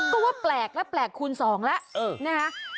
ก็ว่าแปลกแล้วแปลกคูณสองแล้วนะคะ